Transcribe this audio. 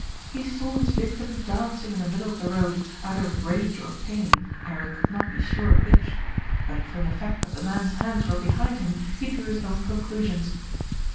He saw his victim dancing in the middle of the road, either with rage or pain, Eric could not be sure which; but from the fact that the man's hands were behind him, he drew his own conclusions.